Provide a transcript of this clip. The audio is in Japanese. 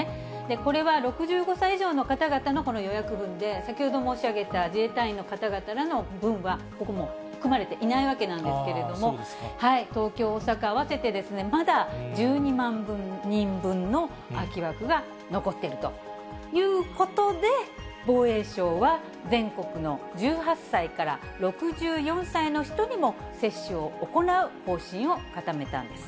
これは６５歳以上の方々のこの予約分で、先ほど申し上げた自衛隊員らの方々の分は、ここもう、含まれていないわけなんですけれども、東京、大阪合わせて、まだ１２万人分の空き枠が残っているということで、防衛省は全国の１８歳から６４歳の人にも、接種を行う方針を固めたんです。